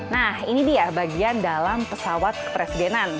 nah ini dia bagian dalam pesawat kepresidenan